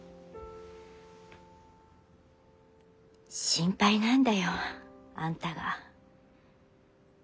心配なんだよあんたが。